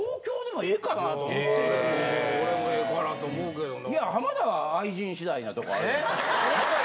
・ええ・俺もええかなと思うけどな。